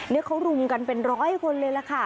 นี่เขารุมกันเป็นร้อยคนเลยล่ะค่ะ